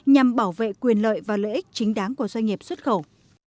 nhằm bảo vệ quyền lợi và lợi ích chính đáng của doanh nghiệp xuất khẩu